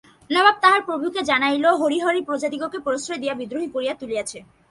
নায়েব তাহার প্রভুকে জানাইল, হরিহরই প্রজাদিগকে প্রশ্রয় দিয়া বিদ্রোহী করিয়া তুলিয়াছে।